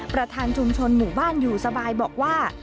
ประธานชุมชนหมู่บ้านอยู่สบายบอกว่า